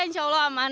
iya insya allah aman